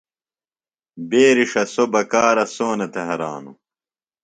بیرݜہ سوۡ بکارہ سونہ تھےۡ ہرانوۡ۔